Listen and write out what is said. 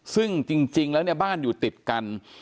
ซึ่งจริงแล้วเนี่ยบ้านอยู่ติดกัน